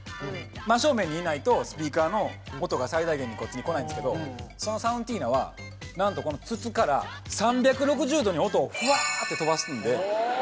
真正面にいないとスピーカーの音が最大限にこっちに来ないんですけどそのサウンティーナはなんとこの筒から３６０度に音をふわーって飛ばすんで。